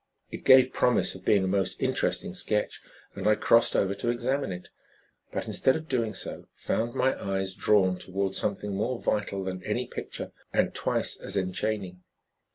It gave promise of being a most interesting sketch, and I crossed over to examine it; but instead of doing so, found my eyes drawn toward something more vital than any picture and twice as enchaining.